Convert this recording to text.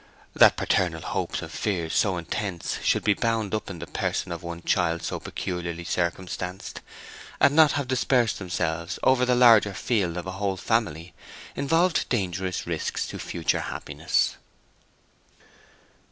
That paternal hopes and fears so intense should be bound up in the person of one child so peculiarly circumstanced, and not have dispersed themselves over the larger field of a whole family, involved dangerous risks to future happiness.